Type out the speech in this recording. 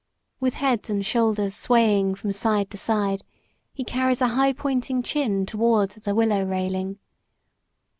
With head and shoulders swaying from side to side, he carries a high pointing chin toward the willow railing.